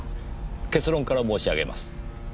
結論から申し上げます。